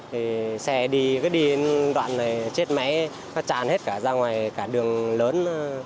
thì xe đi cứ đi đến đoạn này chết máy nó tràn hết cả ra ngoài cả đường lớn